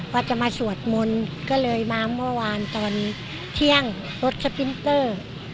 ว่าจะมาสวดมนต์ก็เลยมาเมื่อวานตอนเที่ยงรถสปินเตอร์